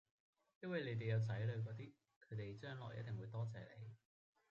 因為你哋有仔女嗰啲，佢哋將來一定會多謝你